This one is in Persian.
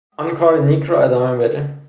آن کار نیک را ادامه بده!